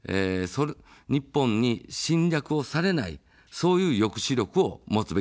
日本に侵略をされない、そういう抑止力を持つべきだと思います。